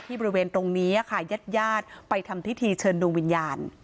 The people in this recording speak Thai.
ที่บริเวณตรงนี้ค่ะยัดไปทำพิธีเชิญดวงวิญญาณ